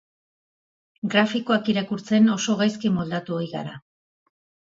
Grafikoak irakurtzen oso gaizki moldatu ohi gara.